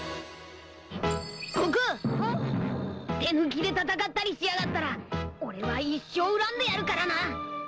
手抜きで戦ったりしやがったら俺は一生恨んでやるからな！